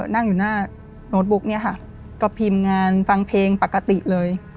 นั่งอยู่หน้าโน้ตบุ๊กเนี่ยค่ะก็พิมพ์งานฟังเพลงปกติเลย